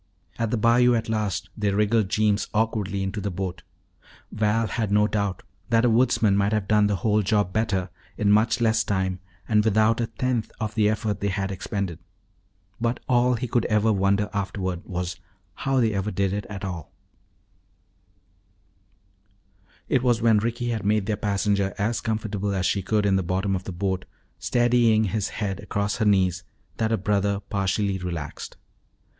At the bayou at last, they wriggled Jeems awkwardly into the boat. Val had no doubt that a woodsman might have done the whole job better in much less time and without a tenth of the effort they had expended. But all he ever wondered afterward was how they ever did it at all. [Illustration: At the bayou at last, they wriggled Jeems awkwardly into the boat.] It was when Ricky had made their passenger as comfortable as she could in the bottom of the boat, steadying his head across her knees, that her brother partially relaxed.